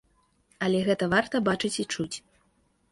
Але гэта варта бачыць і чуць.